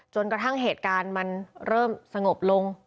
จนกระทั่งเหตุการณ์มันเริ่มสงบลง